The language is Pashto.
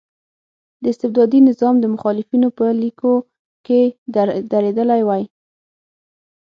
د استبدادي نظام د مخالفینو په لیکو کې درېدلی وای.